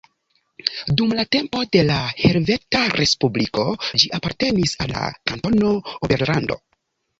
Dum la tempo de la Helveta Respubliko ĝi apartenis al la Kantono Oberlando.